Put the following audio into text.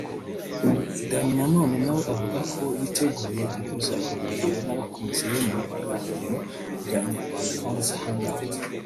Danny Nanone nawe avuga ko yiteguye guhuza urugwiro n’abakunzi be mu biganiro bya Inyarwanda Fans Hangout